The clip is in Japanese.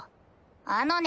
あのね